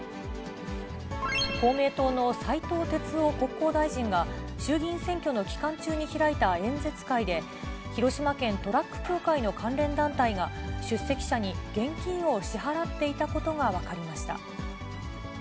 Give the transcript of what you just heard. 公明党の斉藤鉄夫国交大臣が、衆議院選挙の期間中に開いた演説会で、広島県トラック協会の関連団体が、出席者に現金を支払っていたことが分かりました。